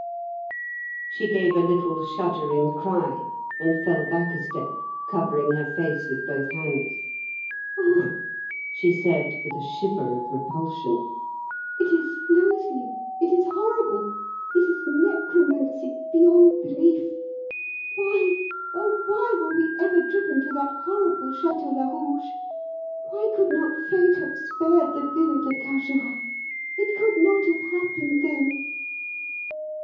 She gave a little shuddering cry and fell back a step, covering her face with both hands. "Oh!" she said, with a shiver of repulsion. "It is loathly it is horrible it is necromancy beyond belief! Why, oh, why were we ever driven to that horrible Château Larouge! Why could not fate have spared the Villa de Carjorac? It could not have happened then!"